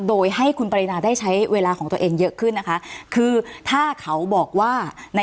โดยให้คุณปรินาได้ใช้เวลาของตัวเองเยอะขึ้นนะคะคือถ้าเขาบอกว่าใน